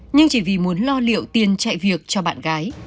nhưng chỉ vì muốn lo liệu tiền chạy việc cho bạn gái